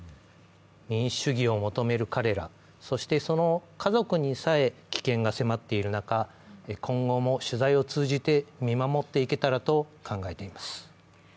民主主義を求める彼ら、そしてその家族にさえ危険が迫っている中、今後も取材を通じて見守っていけたらと考えています。